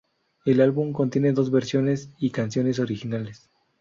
El álbum contiene dos versiones y canciones originales.